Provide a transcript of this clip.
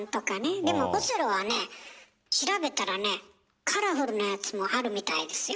でもオセロはね調べたらねカラフルなやつもあるみたいですよ。